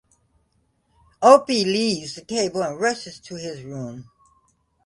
Opie leaves the table and rushes to his room.